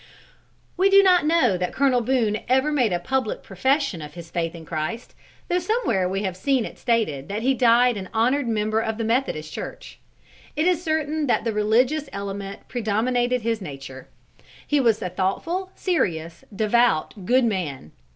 We do not know that Colonel Boone ever made a public profession of his faith in Christ, though somewhere we have seen it stated that he died an honored member of the Methodist Church. It is certain that the religious element predominated in his nature. He was a thoughtful, serious, devout, good man.